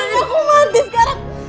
lepasin aku mati sekarang